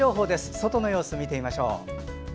外の様子を見てみましょう。